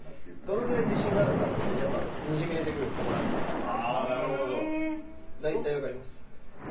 どのくらい自信があるかってにじみ出てくるところあるから大体、分かります。